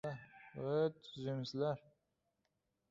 Ushbu salat foydali bo‘lishi bilan birga, mazali hamda to‘yimlidir